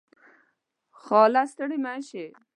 خاله . ستړې مشې